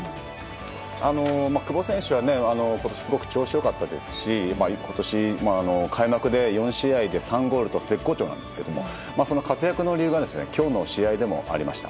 久保選手はことし、すごく調子よかったですし、ことし、開幕で４試合で３ゴールと絶好調なんですけども、その活躍の理由が、きょうの試合でもありました。